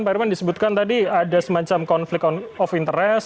pak irman disebutkan tadi ada semacam konflik of interest